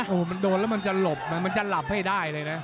โอ้โหมันโดนแล้วมันจะหลบมันจะหลับให้ได้เลยนะ